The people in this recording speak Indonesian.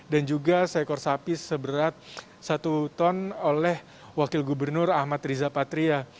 dan juga seekor sapi seberat satu ton oleh wakil gubernur ahmad riza patria